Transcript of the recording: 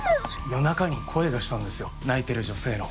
夜中に声がしたんですよ泣いてる女性の。